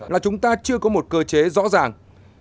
là chúng ta chưa có một cơ chế rõ ràng